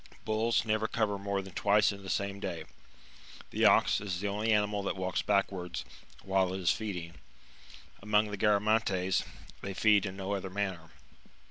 Bulls never cover more than twice in the same day. The ox is the only animal that walks back wards while it is feeding ; among the Garamantes, they feed in no other manner.